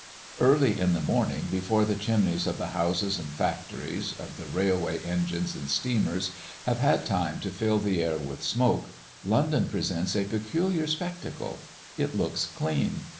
Early in the morning, before the chimneys of the houses and factories, of the railway engines and steamers, have had time to fill the air with smoke, London presents a peculiar spectacle. It looks clean.